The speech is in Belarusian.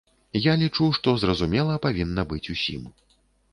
Я лічу, што зразумела павінна быць усім.